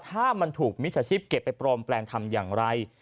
ถ้ามันถูกมิจฉาชีพเก็บไปปลอมแปลงทำอย่างไร